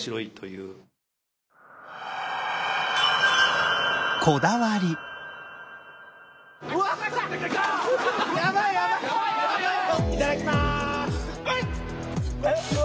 いただきます。